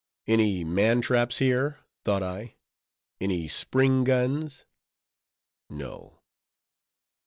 Any man traps here? thought I—any spring guns? No.